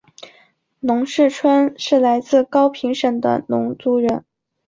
农氏春是来自高平省的侬族人。